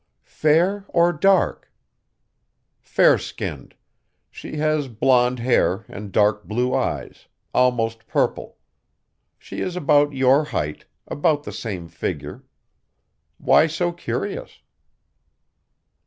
"Fair or dark?" "Fair skinned. She has blond hair and dark blue eyes, almost purple. She is about your height, about the same figure. Why so curious?"